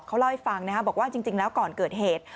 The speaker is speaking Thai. เขาเล่าให้ฟังนะครับบอกว่าจริงแล้วก่อนเกิดเหตุ